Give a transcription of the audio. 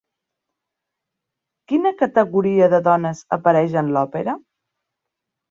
Quina categoria de dones apareix en l'òpera?